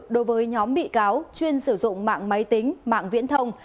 đối với nhóm bị cáo chuyên sử dụng mạng máy tính mạng viễn thông